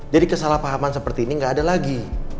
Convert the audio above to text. jadi kesalahpahaman seperti ini ga ada lagi